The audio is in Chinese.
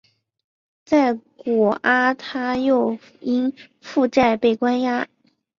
在果阿他又因负债被关押。